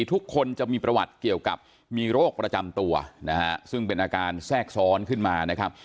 ทุกคนจะมีประวัติเกี่ยวกับมีโรคประจำตัวนะฮะซึ่งเป็นอาการแทรกซ้อนขึ้นมานะครับ